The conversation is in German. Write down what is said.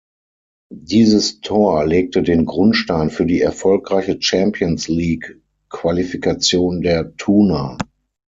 Dieses Tor legte den Grundstein für die erfolgreiche Champions-League-Qualifikation der Thuner.